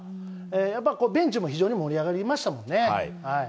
やっぱりベンチも非常に盛り上がりましたもんね。